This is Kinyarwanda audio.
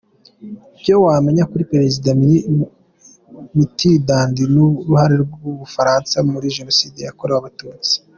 Ibyo wamenya kuri Perezida Mitterrand n’uruhare rw’u Bufaransa muri Jenoside yakorewe Abatutsi